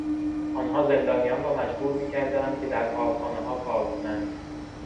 آنها زندانیان را مجبور میکردند که در کارخانهها کار کنند.